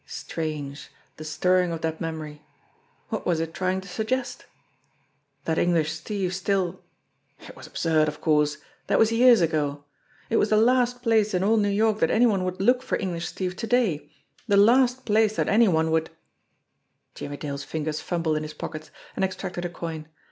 Strange, the stirring of that memory ! What was it trying to suggest? That English Steve still It was absurd, of course! That was years ago. It was the last place in all New York that any one would look for English Steve to day. The last place that any one would Jimmie Dale's fingers fumbled in his pockets, and extracted a coin.